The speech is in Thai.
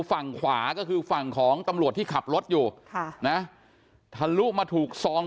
ฝั่งขวาก็คือฝั่งของตำรวจที่ขับรถอยู่ค่ะนะทะลุมาถูกซอง